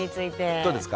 どうですか？